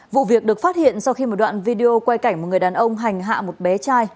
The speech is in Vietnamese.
vụ việc được phát hiện sau khi một đoạn video quay cảnh một người đàn ông hành hạ một bé trai